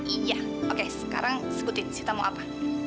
iya oke sekarang sebutin sita mau apa